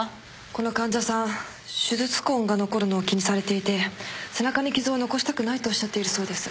この患者さん手術痕が残るのを気にされていて背中に傷を残したくないとおっしゃっているそうです。